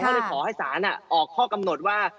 เพราะฉะนั้นขอให้ศาลออกข้อกำหนดว่า